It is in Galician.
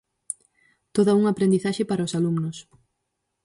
Toda unha aprendizaxe para os alumnos.